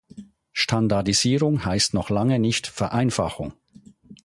Standardisierung heißt noch lange nicht Vereinfachung.